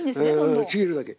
うんちぎるだけ。